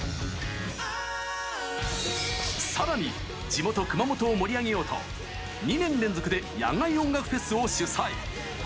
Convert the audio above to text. さらに地元・熊本を盛り上げようと２年連続で野外音楽フェスを主催。